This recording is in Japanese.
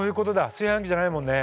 炊飯器じゃないもんね。